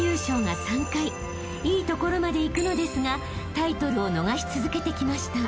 ［いいところまでいくのですがタイトルを逃し続けてきました］